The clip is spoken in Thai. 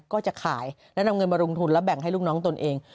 ก็จะขายและนำเงินมาลงทุนแล้วแบ่งให้ลูกน้องตนเอง